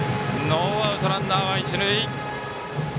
ノーアウト、ランナーは一塁。